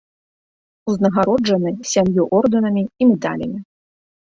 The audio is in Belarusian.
Узнагароджаны сям'ю ордэнамі і медалямі.